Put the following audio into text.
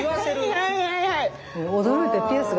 はいはいはいはい。